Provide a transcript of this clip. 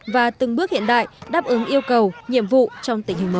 và từng bước hiện đại đáp ứng yêu cầu nhiệm vụ trong tình hình mới